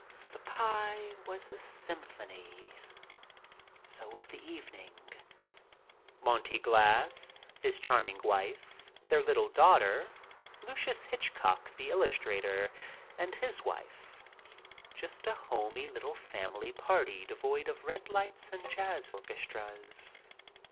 The pie was a symphony. So was the evening. Monty Glass, his charming wife, their little daughter, Lucius Hitchcock, the illustrator, and his wife — just a homey little family party devoid of red lights and jazz orchestras.